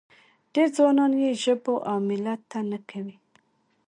ډېر ځوانان یې ژبو او ملت ته نه کوي.